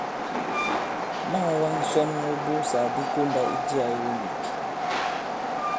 Ma᷇ŋ wā ŋsɔn mu ibussàk di kondā i jiā iwu nīk.